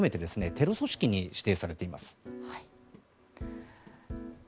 テロ組織に指定されています。